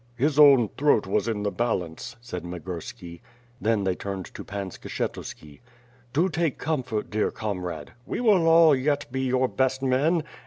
"His own throat was in the balance," said Migurski. Then they turned to Pan Skshetuski. "Do take comfort, dear comrade." "We will all yet be your best men."